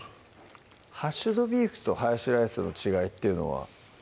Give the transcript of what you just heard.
ハッシュドビーフとハヤシライスの違いというのは？